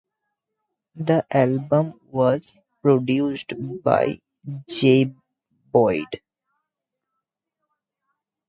The album was produced by Joe Boyd.